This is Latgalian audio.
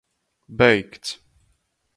Beigts!